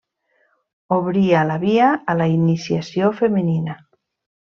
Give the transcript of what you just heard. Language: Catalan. Obria la via a la iniciació femenina.